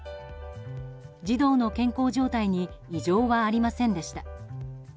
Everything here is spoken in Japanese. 児童の健康状態に異常はありませんでした。